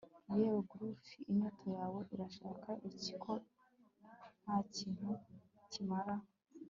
Yewe gulf inyota yawe irashaka iki ko ntakintu kimara